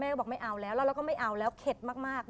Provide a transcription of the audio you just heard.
ก็บอกไม่เอาแล้วแล้วเราก็ไม่เอาแล้วเข็ดมาก